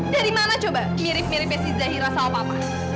dari mana coba mirip miripnya si zahira sama papa